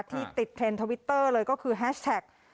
ที่ติดเทรนด์ทวิตเตอร์เลยก็คือแฮชแท็ก